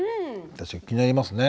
確かに気になりますね。